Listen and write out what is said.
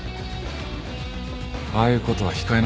ああいうことは控えなさい。